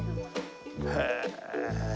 へえ！